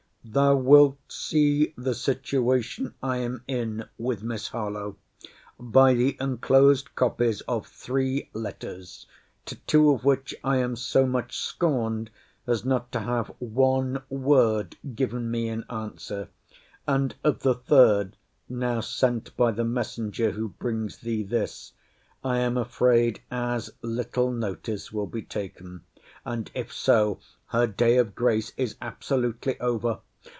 Thou wilt see the situation I am in with Miss Harlowe by the enclosed copies of three letters; to two of which I am so much scorned as not to have one word given me in answer; and of the third (now sent by the messenger who brings thee this) I am afraid as little notice will be taken—and if so, her day of grace is absolutely over.